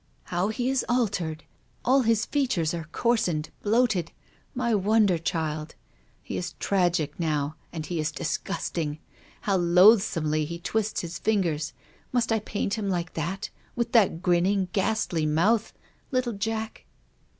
" How he is altered. All his features arecoars, cned, bloated. My wonder child! lie is tragic now, and he is disgusting. How loathsomely he twists his fingers ! Must I paint him like that — with that grinning, ghastly mouth — little Jack?